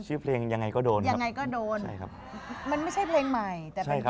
ชื่อเพลงยังไงก็โดนมันไม่ใช่เพลงใหม่